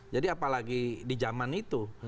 jadi apalagi di zaman itu